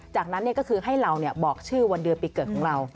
จากนั้นก็คือให้เราบอกชื่อวันเดือนปีเกิดของเรา